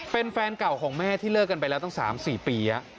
เป็นแฟนเก่าของแม่ที่เลิกกันไปแล้วตั้ง๓๔ปี